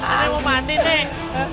nih mau mandi nek